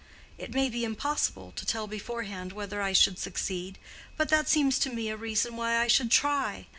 It may be impossible to tell beforehand whether I should succeed; but that seems to me a reason why I should try.